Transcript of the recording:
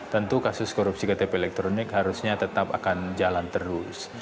tentu kasus korupsi ktp elektronik harusnya tetap akan jalan terus